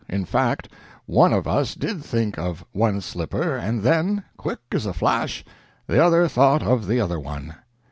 In fact, one of us did think of one slipper, and then, quick as a flash, the other thought of the other one."